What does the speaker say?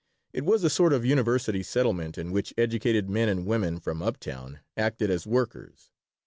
It was a sort of university settlement in which educated men and women from up town acted as "workers."